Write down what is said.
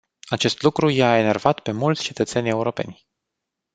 Acest lucru i-a enervat pe mulți cetățeni europeni.